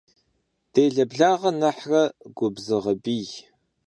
Dêle blağe nexhre gubzığe biy.